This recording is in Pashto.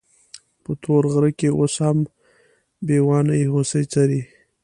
په تور غره کې اوس هم بېواني هوسۍ څري.